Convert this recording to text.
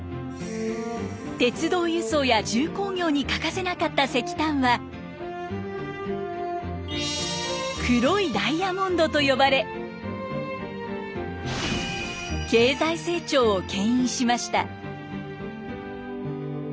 鉄道輸送や重工業に欠かせなかった石炭は黒いダイヤモンドと呼ばれ経済成長をけん引しました。